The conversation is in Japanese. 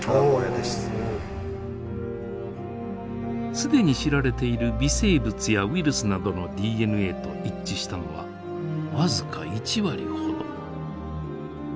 既に知られている微生物やウイルスなどのＤＮＡと一致したのは僅か１割ほど。